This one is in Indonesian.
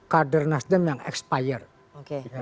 kader nasdem yang expired